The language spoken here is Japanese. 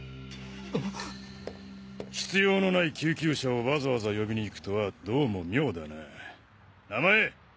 必要のない救急車をわざわざ呼びに行くとはどうも妙だな名前！